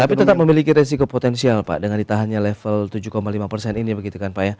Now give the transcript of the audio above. tapi tetap memiliki resiko potensial pak dengan ditahannya level tujuh lima persen ini begitu kan pak ya